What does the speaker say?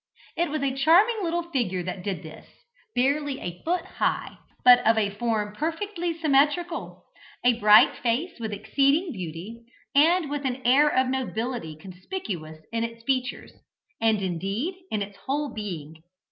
It was a charming little figure that did this: barely a foot high, but of a form perfectly symmetrical, a face bright with exceeding beauty, and with an air of nobility conspicuous in its features, and, indeed, in its whole bearing.